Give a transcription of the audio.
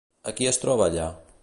A qui es troba allà?